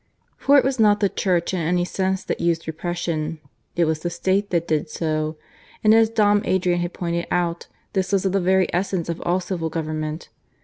For it was not the Church in any sense that used repression; it was the State that did so; and as Dom Adrian had pointed out, this was of the very essence of all civil government.